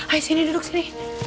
ayo sini duduk sini